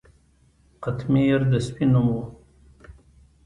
قطمیر د سپي نوم و.